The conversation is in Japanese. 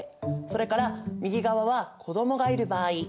それから右側は子どもがいる場合。